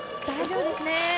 大丈夫ですね。